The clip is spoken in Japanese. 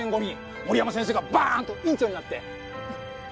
森山先生がバーンと院長になって！